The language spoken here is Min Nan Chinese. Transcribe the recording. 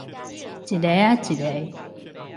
一个仔一个